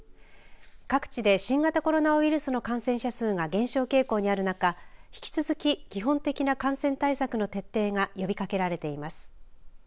各地で新型コロナウイルスの感染者数が減少傾向にある中、引き続き基本的な感染対策の徹底が呼びかけられています。